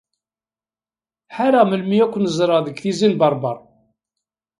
Ḥareɣ melmi ara ken-ẓreɣ deg Tizi n Berber.